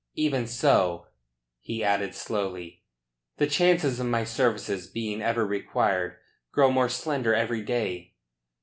Even so," he added slowly, "the chances of my services being ever required grow more slender every day.